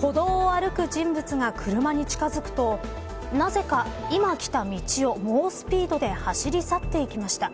歩道を歩く人物が車に近づくとなぜか今来た道を猛スピードで走り去っていきました。